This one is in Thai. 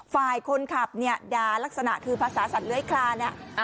ฝ่ายคนขับเนี่ยด่าลักษณะคือภาษาสัตวยคลาน